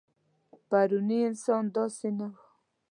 پروني انسان داسې نه و.